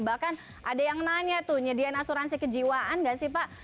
bahkan ada yang nanya tuh nyediain asuransi kejiwaan nggak sih pak